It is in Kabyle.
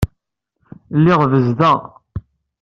Lliɣ bezdeɣ.